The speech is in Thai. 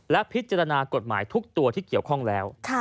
และพิจารณากฎหมายทุกตัวที่เกี่ยวข้องแล้ว